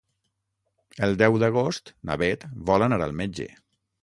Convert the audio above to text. El deu d'agost na Beth vol anar al metge.